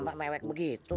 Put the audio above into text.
ampak mewek begitu